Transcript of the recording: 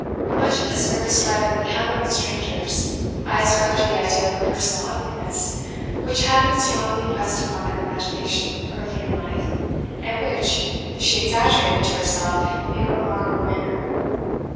Much of this nervous dread of encountering strangers I ascribed to the idea of her personal ugliness, which had been strongly impressed upon her imagination early in life, and which she exaggerated to herself in a remarkable manner.